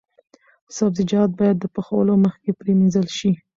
سبزیجات باید د پخولو مخکې پریمنځل شي.